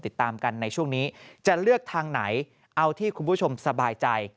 ติดตามกันในช่วงนี้จะเลือกทางไหนเอาที่คุณผู้ชมสบายใจ